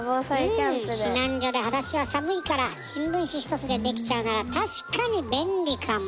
避難所で裸足は寒いから新聞紙一つでできちゃうなら確かに便利かも。